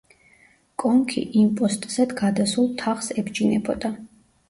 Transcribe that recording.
კონქი იმპოსტზე გადასულ თაღს ებჯინებოდა.